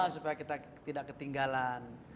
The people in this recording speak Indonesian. supaya kita tidak ketinggalan